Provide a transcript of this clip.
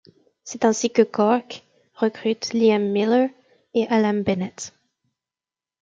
C'est ainsi que Cork recrute Liam Miller et Alan Bennett.